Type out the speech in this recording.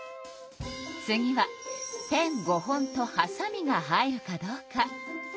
次はペン５本とはさみが入るかどうか。